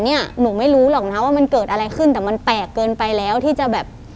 หนูไม่รู้หรอกนะว่ามันเกิดอะไรขึ้นแต่มันแปลกเกินไปแล้วที่จะแบบ